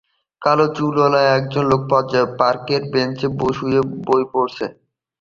কালো চুলওয়ালা একজন লোক পার্কের বেঞ্চে শুয়ে বই পড়ছে।